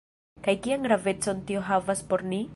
Kaj kian gravecon tio havas por ni?